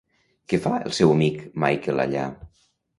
Què fa el seu amic Michael allà?